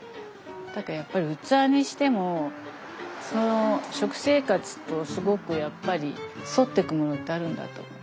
だからやっぱり器にしてもその食生活とすごくやっぱり沿ってくものってあるんだと思う。